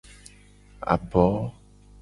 Abo.